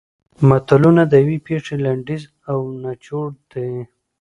متلونه د یوې پېښې لنډیز او نچوړ دي